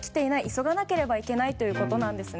急がなければいけないということなんです。